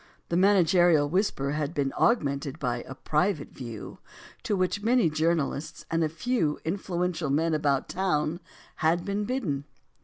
The managerial whisper had been augmented by a "private view," to which many journalists and a few influential men about town had been bidden.